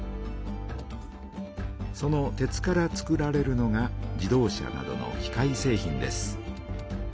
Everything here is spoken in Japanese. その鉄からつくられるのが自動車などの機械製品です。